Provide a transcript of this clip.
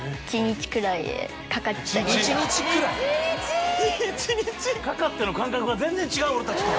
１日くらい⁉１日⁉「かかって」の感覚が全然違う俺たちと。